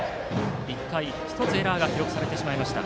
１回、１つエラーが記録されてしまいました。